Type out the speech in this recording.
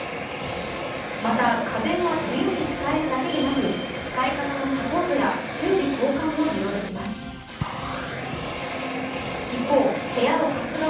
また家電は自由に使えるだけでなく、使い方のサポートや修理交換も利用できます。